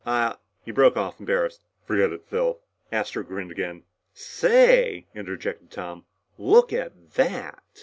I ah " he broke off, embarrassed. "Forget it, Phil." Astro grinned again. "Say," interjected Tom. "Look at that!"